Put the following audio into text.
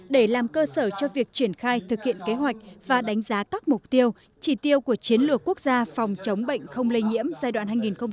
để làm cơ sở cho việc triển khai thực hiện kế hoạch và đánh giá các mục tiêu chỉ tiêu của chiến lược quốc gia phòng chống bệnh không lây nhiễm giai đoạn hai nghìn một mươi năm hai nghìn hai mươi năm